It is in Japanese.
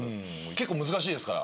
結構難しいですから。